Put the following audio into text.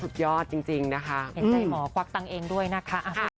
เข็นใจหมอกวักตังเองด้วยนะคะ